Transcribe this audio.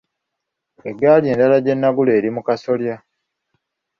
Eggaali endala gye nnagula eri mu kasolya.